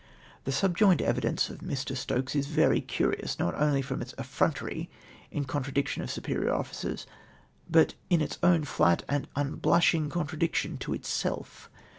! The subjoined evidence of ]\i[i\ Stokes is very curious, not only from its effrontery in contradiction of superior officers, but m its own flat and unblushing contradiction to itself.